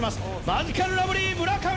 マヂカルラブリー村上！